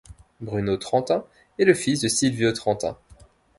Bruno Trentin est le fils de Silvio Trentin.